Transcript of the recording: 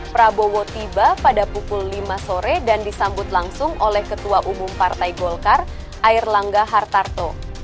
prabowo tiba pada pukul lima sore dan disambut langsung oleh ketua umum partai golkar air langga hartarto